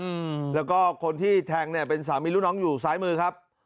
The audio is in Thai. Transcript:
อืมแล้วก็คนที่แทงเนี่ยเป็นสามีลูกน้องอยู่ซ้ายมือครับ